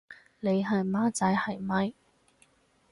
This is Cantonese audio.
你係孻仔係咪？